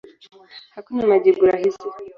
Hakuna majibu rahisi.